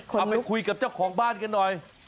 เอาไปคุยกับเจ้าของบ้านกันหน่อย